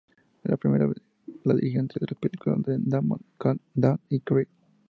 A la primera la dirigió en tres películas: "The Damned Don't Cry!